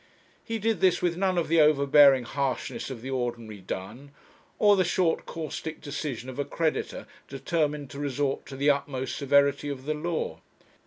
He did this with none of the overbearing harshness of the ordinary dun, or the short caustic decision of a creditor determined to resort to the utmost severity of the law.